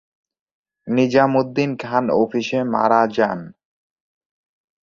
নিজাম উদ্দিন খান অফিসে মারা যান।